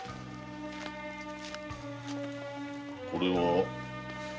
これは？